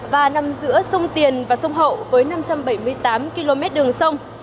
và nằm giữa sông tiền và sông hậu với năm trăm bảy mươi tám km đường sông